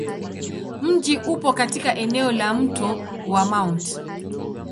Mji upo katika eneo la Mto wa Mt.